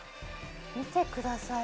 見てください！